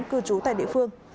cư trú tại địa phương